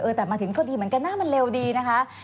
แต่มาถึงก็ดีเหมือนกันนะมันเร็วดีนะคะ